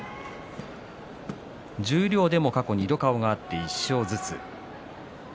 十両でも過去２度顔が合って１勝ずつ。